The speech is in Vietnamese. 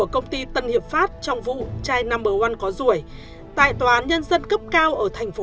công ty tân hiệp phát trong vụ trai number one có rùi tại tòa án nhân dân cấp cao ở thành phố